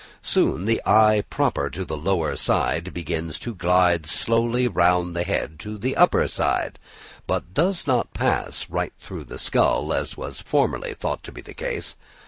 Soon the eye proper to the lower side begins to glide slowly round the head to the upper side; but does not pass right through the skull, as was formerly thought to be the case.